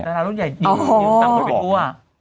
ดารารุ่นใหญ่อยู่ต่างกว่าเป็นตัว